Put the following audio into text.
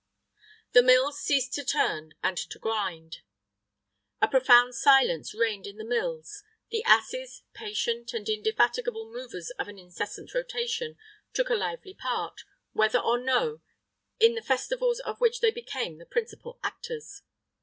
[III 23] The mills ceased to turn and to grind, a profound silence reigned in the mills; the asses, patient and indefatigable movers of an incessant rotation, took a lively part, whether or no, in the festivals of which they became the principal actors.